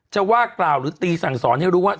จะว่ากล่าวหรือตีสั่งสอนให้รู้ว่า